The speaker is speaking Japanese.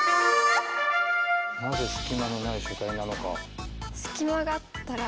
なぜすき間のない書体なのか。